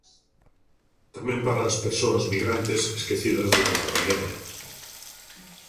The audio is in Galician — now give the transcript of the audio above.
Tamén para as persoas migrantes, esquecidas durante a pandemia.